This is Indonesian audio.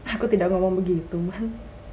aku tidak ngomong begitu man